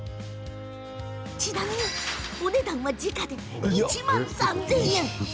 ちなみに、お値段は時価で１万３０００円。